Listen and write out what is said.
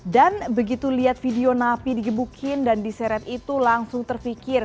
dan begitu lihat video napi digebukin dan diseret itu langsung terpikir